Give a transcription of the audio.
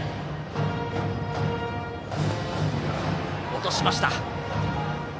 落としました。